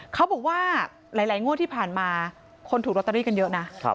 เขาบอกว่าหลายงวดที่ผ่านมาคนถูกลอตเตอรี่กันเยอะนะ